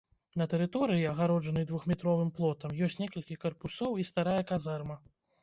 На тэрыторыі, агароджанай двухметровым плотам, ёсць некалькі карпусоў і старая казарма.